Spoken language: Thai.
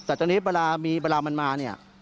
แต่ตอนนี้เวลามีเวลามันมาเนี่ย